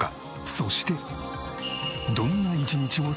そして。